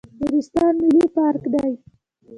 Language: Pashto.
نورستان ملي پارک دی